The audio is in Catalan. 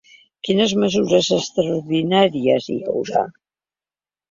Quines mesures extraordinàries hi haurà?